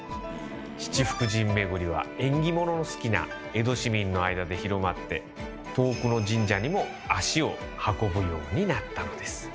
「七福神めぐり」は縁起物の好きな江戸市民の間で広まって遠くの神社にも足を運ぶようになったのです。